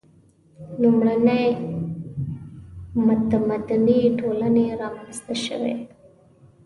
• لومړنۍ متمدنې ټولنې رامنځته شوې.